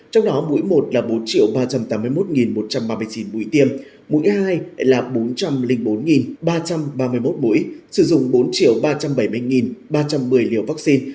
trong đó mũi một là bốn ba trăm tám mươi một một trăm ba mươi chín mũi tiêm mũi hai là bốn trăm linh bốn ba trăm ba mươi một mũi sử dụng bốn ba trăm bảy mươi ba trăm một mươi liều vaccine